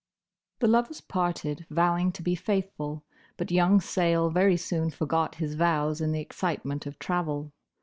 The lovers parted, vowing to be faithful; but young Sayle very soon forgot his vows in the excitement of travel.